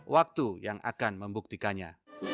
waktu yang akan membuktikannya